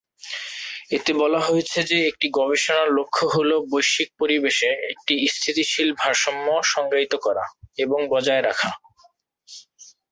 এতে বলা হয়েছে যে একটি গবেষণার লক্ষ্য হল বৈশ্বিক পরিবেশে একটি স্থিতিশীল ভারসাম্য সংজ্ঞায়িত করা এবং বজায় রাখা।